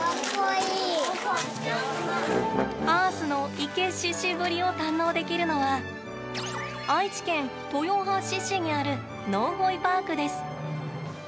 アースのイケ獅子ぶりを堪能できるのは愛知県豊橋市にあるのんほいパークです。